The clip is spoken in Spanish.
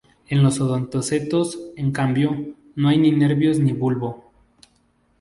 En los odontocetos, en cambio, no hay ni nervios ni bulbo.